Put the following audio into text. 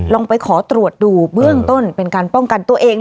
ลองไปขอตรวจดูเบื้องต้นเป็นการป้องกันตัวเอง